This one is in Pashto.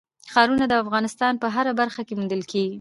ښارونه د افغانستان په هره برخه کې موندل کېږي.